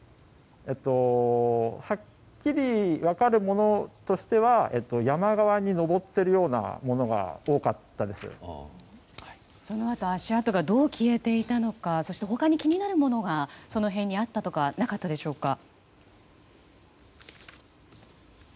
はっきり分かるものとしては山側に登っているようなものがそのあと足跡がどう消えていたのか他に気になるものがその辺にあったとかなかったでしょうか？